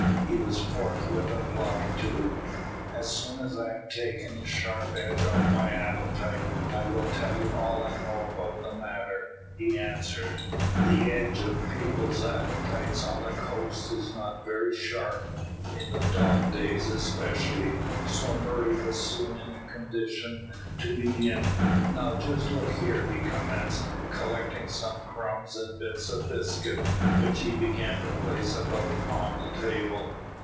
He was forthwith applied to. "As soon as I have taken the sharp edge off my appetite I will tell you all I know about the matter," he answered. The edge of people's appetites on the coast is not very sharp, in the dog days especially, so Murray was soon in a condition to begin. "Now just look here," he commenced, collecting some crumbs and bits of biscuit, which he began to place about on the table.